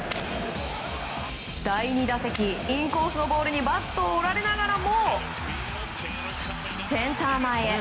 第２打席インコースのボールにバットを折られながらもセンター前へ。